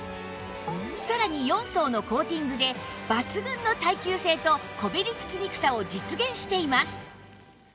さらに４層のコーティングで抜群の耐久性とこびりつきにくさを実現しています